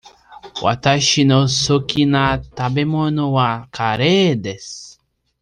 わたしの好きな食べ物はカレーです。